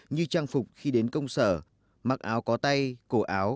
như trang phục khi đến công sở mặc áo có tay cổ áo